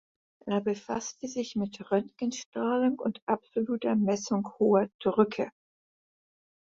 Er befasste sich mit Röntgenstrahlung und absoluter Messung hoher Drücke.